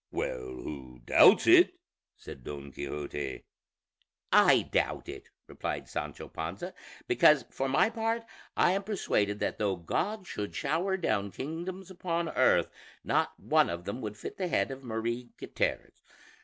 "Well, who doubts it?" said Don Quixote. "I doubt it," replied Sancho Panza; "because for my part I am persuaded that though God should shower down kingdoms upon earth, not one of them would fit the head of Mari Gutierrez.